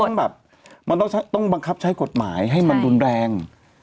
มันแบบมันต้องบังคับใช้กฎหมายให้มันรุนแรง